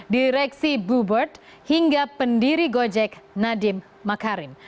direksi bluebird hingga pendiri gojek nadiem makarim